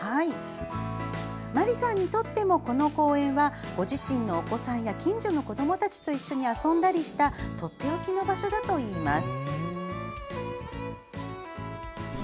まりさんにとっても、この公園はご自身のお子さんや近所の子どもたちと一緒に遊んだりしたとっておきの場所だといいます。